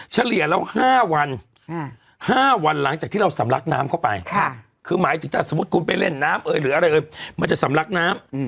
เฉลี่ยแล้ว๕วัน๕วันหลังจากที่เราสำลักน้ำเข้าไปคือหมายถึงถ้าสมมุติคุณไปเล่นน้ำหรืออะไรเอ่ยมันจะสำลักน้ำ